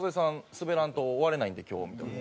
滑らんと終われないんで今日」みたいな。